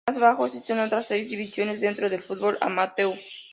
Más abajo, existen otras seis divisiones dentro del fútbol amateur.